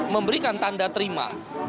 memberikan tanda terima